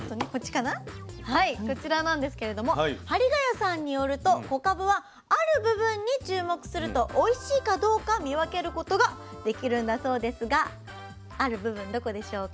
こちらなんですけれども張ヶ谷さんによると小かぶはある部分に注目するとおいしいかどうか見分けることができるんだそうですがある部分どこでしょうか？